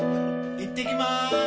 行ってきまーす！